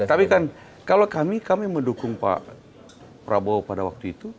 tapi kan kalau kami kami mendukung pak prabowo pada waktu itu